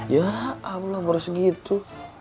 ya allah baru segitu